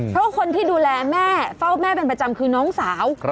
เพราะคนที่ดูแลแม่เฝ้าแม่เป็นประจำคือน้องสาว